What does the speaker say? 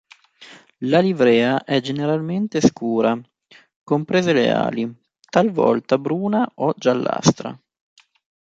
La livrea è generalmente scura, comprese le ali, talvolta bruna o giallastra.